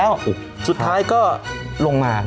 สวัสดีครับ